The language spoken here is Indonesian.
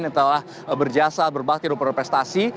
yang telah berjasa berbakti dan berprestasi